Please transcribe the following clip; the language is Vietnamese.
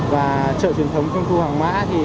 và trợ truyền thống trung thu hàng mã